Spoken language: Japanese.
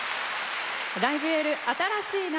「ライブ・エール新しい夏」。